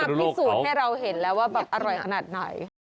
พี่เข้ามาพิสูจน์ให้เราเห็นแล้วว่าอร่อยขนาดไหน